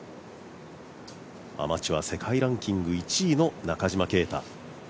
アマチュア世界ランキング１位の中島啓太。